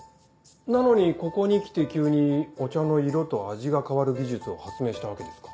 なのにここにきて急にお茶の色と味が変わる技術を発明したわけですか。